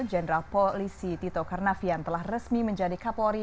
jenderal polisi tito karnavian telah resmi menjadi kapolri